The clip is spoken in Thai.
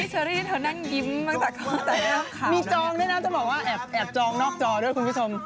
นี่เชอรี่เธอนั่งยิ้มมีจองด้วยนะจะบอกว่าแอบจองนอกจอด้วยคุณผู้ชม